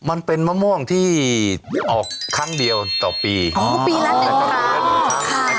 มันเป็นมะม่วงที่ออกครั้งเดียวต่อปีอ๋อปีละ๑ปีครับ